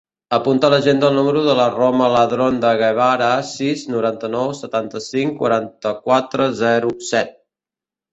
Apunta a l'agenda el número de la Roma Ladron De Guevara: sis, noranta-nou, setanta-cinc, quaranta-quatre, zero, set.